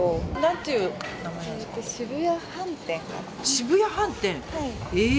澁谷飯店。